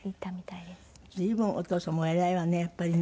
随分お父様お偉いわねやっぱりね。